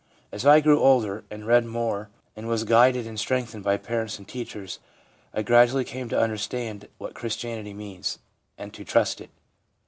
'As I grew older, and read more and was guided and strengthened by parents and teachers, I gradually came to understand what Christianity means, and to trust it.